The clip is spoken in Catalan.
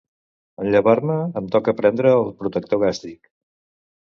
En llevar-me em toca prendre el protector gàstric.